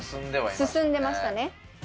進んでましたね。